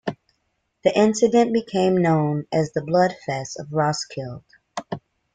The incident became known as the "Bloodfeast of Roskilde".